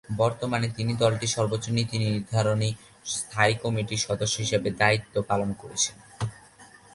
বর্তমানে তিনি দলটির সর্বোচ্চ নীতি নির্ধারণী স্থায়ী কমিটির সদস্য হিসেবে দায়িত্ব পালন করছেন।